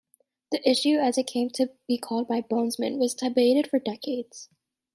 "The issue", as it came to be called by Bonesmen, was debated for decades.